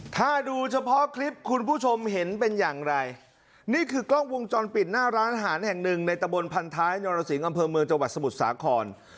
ถ้าดูเฉพาะคลิปคุณผู้ชมเห็นเป็นอย่างไรนี่คือกล้องวงจรปิดหน้าร้านอาหารแห่งหนึ่งในตะบนพันท้ายนรสิงห์อำเภอเมืองจังหวัดสมุทรสาคร